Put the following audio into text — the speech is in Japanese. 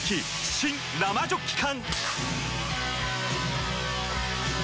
新・生ジョッキ缶！